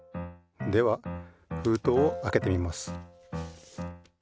ではふうとうをあけてみます。